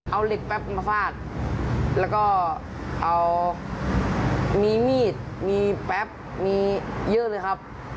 เอาเหล็กแป๊บมาฟาดแล้วก็เอามีมีดมีแป๊บมีเยอะเลยครับ